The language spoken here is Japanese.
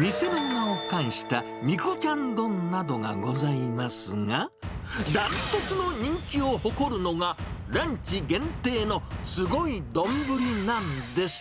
店の名を冠したみこちゃん丼などがございますが、断トツの人気を誇るのが、ランチ限定のすごい丼なんです。